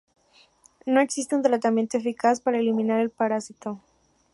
No existe un tratamiento eficaz para eliminar al parásito.